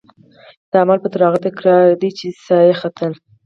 دا عمل به تر هغې تکرارېده چې سا یې ختله.